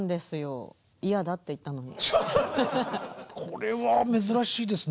これは珍しいです。